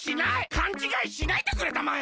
かんちがいしないでくれたまえ！